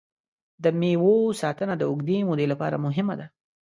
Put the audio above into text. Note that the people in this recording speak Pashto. د مېوو ساتنه د اوږدې مودې لپاره مهمه ده.